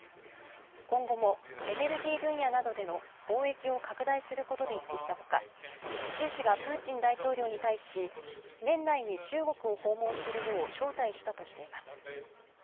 今後もエネルギー分野などでの貿易を拡大することで一致したほか習氏がプーチン大統領に対し、年内に中国を訪問するよう招待したとしています。